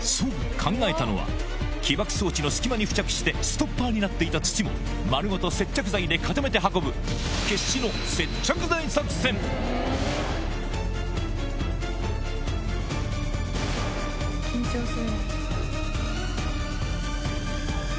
考えたのは起爆装置の隙間に付着してストッパーになっていた土も丸ごと接着剤で固めて運ぶ緊張する。